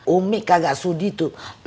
umi kagak sudi tuh